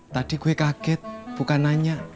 tadi gue kaget bukan nanya